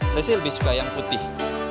saya sih lebih suka yang putih